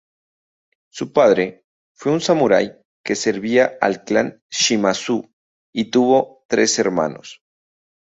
Su padre fue un samurái que servía al clan Shimazu y tuvo tres hermanos.